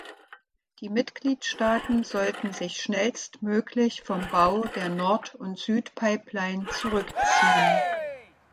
Die Mitgliedstaaten sollten sich schnellstmöglich vom Bau der Nord- und Südpipeline zurückziehen.